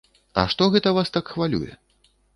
А што гэта вас так хвалюе?